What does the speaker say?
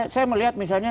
saya melihat misalnya